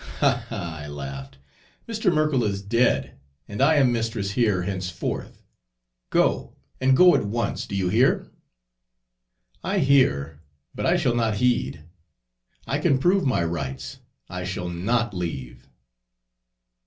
"'Ha, ha!' I laughed. 'Mr. Merkell is dead, and I am mistress here henceforth. Go, and go at once, do you hear?' "'I hear, but I shall not heed. I can prove my rights! I shall not leave!'